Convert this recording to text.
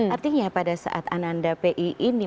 artinya pada saat ananda pi ini